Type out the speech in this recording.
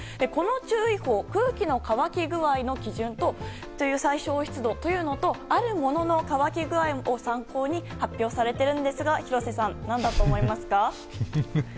この注意報、空気の乾き具合の基準と最小湿度というのとあるものの乾き具合を参考に発表されているんですが廣瀬さん、何だと思いますか？